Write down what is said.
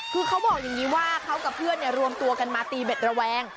คือเขาบอกอย่างนี้ว่าเขากับเพื่อนรวมตัวกันมาตีเบ็ดระแวง